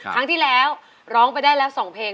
ครั้งที่แล้วร้องไปได้แล้ว๒เพลง